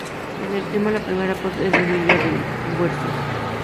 En el tema la primera voz es de Emilio del Guercio.